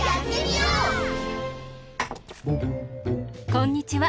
こんにちは。